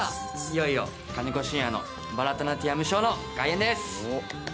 いよいよ金子隼也のバラタナティヤムショーの開演です！